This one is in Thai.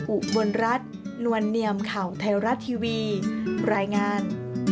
อุบลรัฐนวลเนียมข่าวไทยรัฐทีวีรายงาน